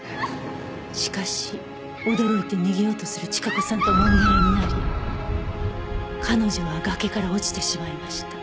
「しかし驚いて逃げようとする千加子さんともみ合いになり彼女は崖から落ちてしまいました」